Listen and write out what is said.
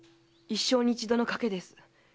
一生に一度の賭けです。